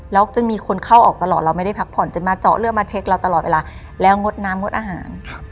แล้วจะมีคนเข้าออกตลอดเราไม่ได้พักผ่อนจนมาเจาะเลือดมาเช็คเราตลอดเวลาแล้วงดน้ำงดอาหาร